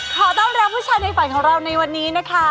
ขอต้อนรับผู้ชายในฝันของเราในวันนี้นะคะ